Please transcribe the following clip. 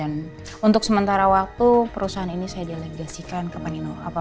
saya saya harus pergi dan untuk sementara waktu perusahaan ini saya delegasikan ke panino apa